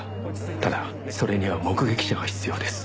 ただそれには目撃者が必要です。